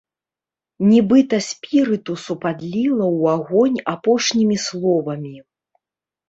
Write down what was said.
Нібыта спірытусу падліла ў агонь апошнімі словамі.